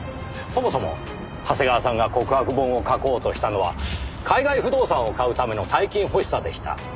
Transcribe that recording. そもそも長谷川さんが告白本を書こうとしたのは海外不動産を買うための大金欲しさでした。